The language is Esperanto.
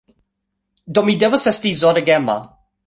Do, mi devas esti zorgema